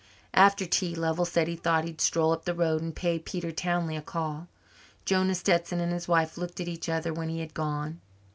After tea Lovell said he thought he'd stroll up the road and pay Peter Townley a call. Jonah Stetson and his wife looked at each other when he had gone.